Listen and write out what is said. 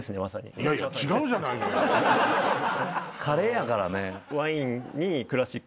カレーやからね。